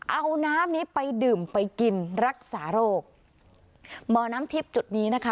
เอาน้ำนี้ไปดื่มไปกินรักษาโรคบ่อน้ำทิพย์จุดนี้นะคะ